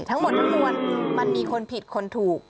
ทั้งหมดทั้งมวลมันมีคนผิดคนถูก